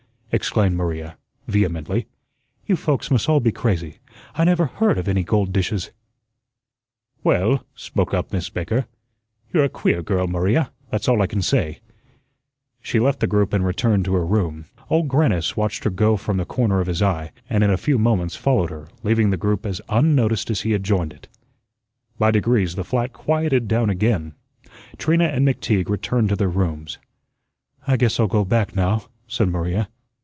exclaimed Maria, vehemently. "You folks must all be crazy. I never HEARD of any gold dishes." "Well," spoke up Miss Baker, "you're a queer girl, Maria; that's all I can say." She left the group and returned to her room. Old Grannis watched her go from the corner of his eye, and in a few moments followed her, leaving the group as unnoticed as he had joined it. By degrees the flat quieted down again. Trina and McTeague returned to their rooms. "I guess I'll go back now," said Maria.